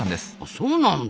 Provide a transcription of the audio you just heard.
そうなんだ。